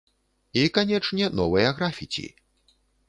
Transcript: І, канечне, новыя графіці!